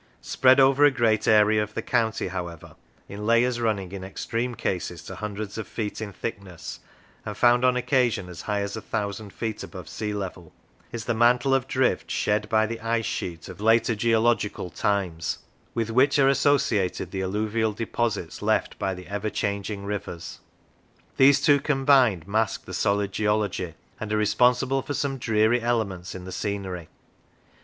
Spread over a great area of the county, however, in layers running in extreme cases to hundreds of feet in thickness, and found on occasion as high as a thousand feet above sea lev el, is the mantle of drift shed by the ice sheet of later geological 32 Physical Structure times, with which are associated the alluvial deposits left by the ever changing rivers. These two combined mask the solid geology, and are responsible for some dreary elements in the scenery.